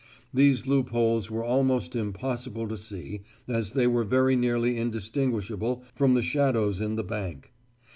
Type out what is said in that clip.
These loopholes were almost impossible to see, as they were very nearly indistinguishable from the shadows in the bank.